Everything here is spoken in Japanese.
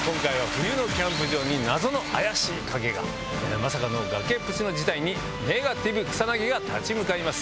まさかの崖っぷちの事態にネガティブ草薙が立ち向かいます。